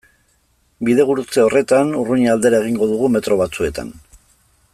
Bidegurutze horretan Urruña aldera egingo dugu metro batzuetan.